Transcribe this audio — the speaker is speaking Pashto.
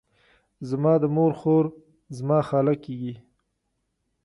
زما د مور خور، زما خاله کیږي.